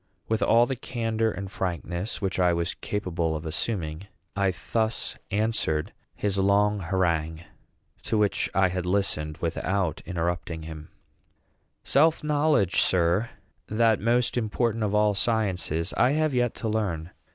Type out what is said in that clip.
With all the candor and frankness which I was capable of assuming, I thus answered his long harangue, to which I had listened without interrupting him: "Self knowledge, sir, that most important of all sciences, I have yet to learn.